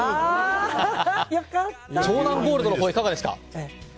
湘南ゴールドのほうはいかがですか？